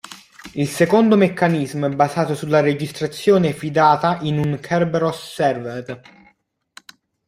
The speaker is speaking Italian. Il secondo meccanismo è basato sulla registrazione fidata in un Kerberos server.